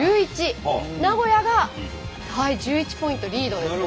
名古屋が１１ポイントリードですね。